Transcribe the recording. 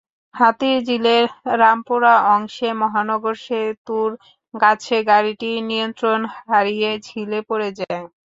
হাতিরঝিলের রামপুরা অংশে মহানগর সেতুর কাছে গাড়িটি নিয়ন্ত্রণ হারিয়ে ঝিলে পড়ে যায়।